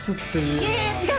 いやいや違う！